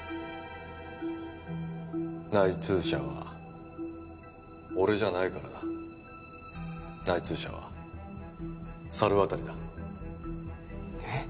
内通者は俺じゃないからだ内通者は猿渡だえっ？